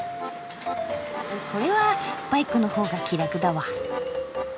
これはバイクの方が気楽だわ。